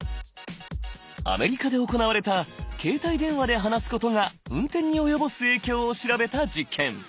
アメリカで行われた携帯電話で話すことが運転に及ぼす影響を調べた実験。